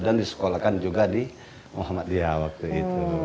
dan disekolahkan juga di muhammad dia waktu itu